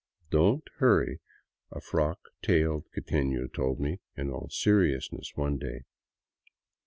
" Don't hurry," a frock tailed quiteno told me in all serious ness one day.